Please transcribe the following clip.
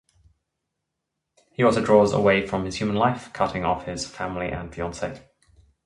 He also draws away from his human life, cutting off his family and fiancee.